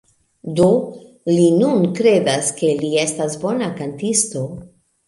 Do, li nun kredas, ke li estas bona kantisto